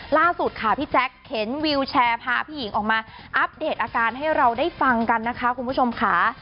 ล่าสุดค่ะพี่แจ๊คเข็นวิวแชร์พาพี่หญิงออกมาอัปเดตอาการให้เราได้ฟังกันนะคะคุณผู้ชมค่ะ